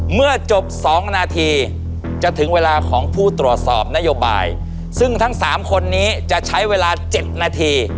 เมื่อจบ๒นาทีจะถึงเวลาของผู้ตรวจสอบนโยบายซึ่งทั้ง๓คนนี้จะใช้เวลา๗นาที